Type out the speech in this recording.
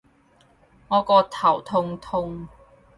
我個頭痛痛